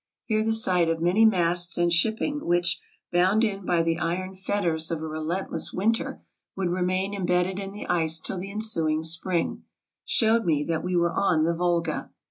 Here the sight of many masts and shipping which, bound in by the iron fet ters of a relentless winter, would remain imbedded in the ice till the ensuing spring, showed me that we were on the Volga.